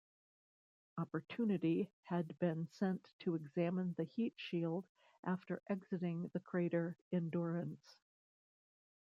"Opportunity" had been sent to examine the heat shield after exiting the crater Endurance.